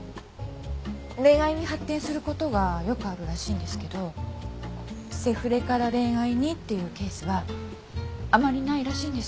恋愛に発展することがよくあるらしいんですけどセフレから恋愛にっていうケースはあまりないらしいんです。